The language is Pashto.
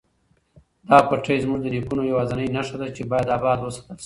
دا پټی زموږ د نیکونو یوازینۍ نښه ده چې باید اباد وساتل شي.